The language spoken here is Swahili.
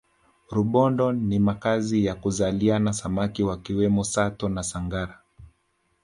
rubondo ni makazi ya kuzaliana samaki wakiwemo sato na sangara